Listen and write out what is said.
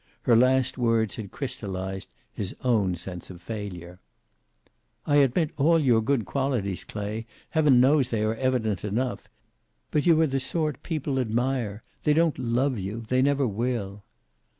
Her last words had crystallized his own sense of failure. "I admit all your good qualities, Clay. Heaven knows they are evident enough. But you are the sort people admire. They don't love you. They never will."